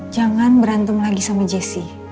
jangan berantem lagi sama jesse